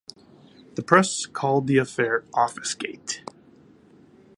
The press called the affair "Officegate".